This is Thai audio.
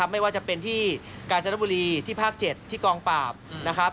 ไม่ว่าจะเป็นที่การจัดลบบุรีที่ภาค๗ที่กองปราบ